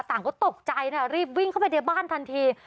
ต่างก็ตกใจนะรีบวิ่งเข้าไปในบ้านทันที